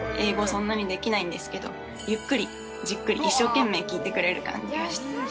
そんなにできないんですけど、ゆっくり、じっくり、一生懸命聞いてくれる感じがして。